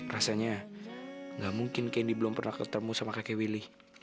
rasanya gak mungkin kendi belum pernah ketemu sama kakek willy